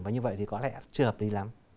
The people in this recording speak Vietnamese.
và như vậy thì có lẽ chưa hợp lý lắm